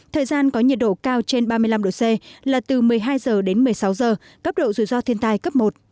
thời gian có nhiệt độ cao trên ba mươi năm độ c là từ một mươi hai giờ đến một mươi sáu giờ cấp độ dù do thiên tài cấp một